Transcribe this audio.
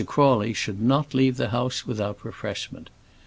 Crawley should not leave the house without refreshment.